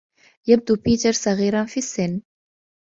يبدو بيتر صغيراً في السن.